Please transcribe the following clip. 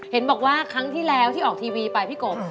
เห็นบอกว่าครั้งที่แล้วที่ออกทีวีไปพี่กบ